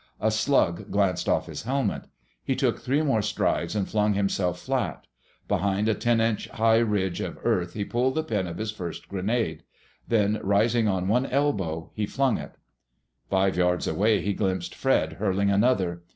A slug glanced off his helmet. He took three more strides and flung himself flat. Behind a ten inch high ridge of earth he pulled the pin of his first grenade. Then, rising on one elbow, he flung it. Five yards away he glimpsed Fred hurling another.